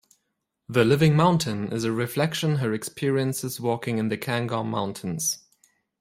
"The Living Mountain" is a reflection her experiences walking in the Cairngorm Mountains.